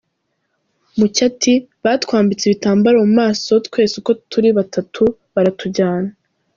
Mucyo ati “Batwambitse ibitambaro mu maso twese uko turi batatu baratujyana.